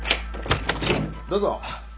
どうぞ。